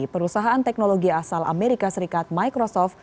perusahaan teknologi asal amerika serikat microsoft